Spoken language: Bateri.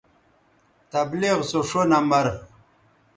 تبلیغ سو ݜو نمبر